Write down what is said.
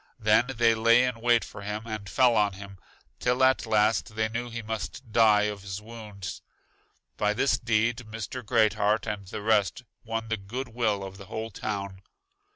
Then they lay in wait for him, and fell on him, till at last they knew he must die of his wounds. By this deed Mr. Great heart and the rest won the good will of the whole town.